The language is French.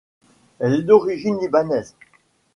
Elle est d'origine libanaise.